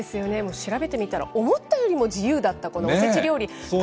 調べてみたら、思ったよりも自由だったこのおせち料理。